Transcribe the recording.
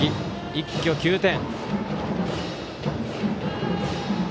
一挙、９点。